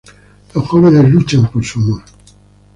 Los jóvenes luchan por su amor.